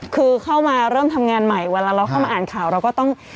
คือเข้ามาเริ่มทำงานใหม่เวลาเราเข้ามาอ่านข่าวเราก็ต้อง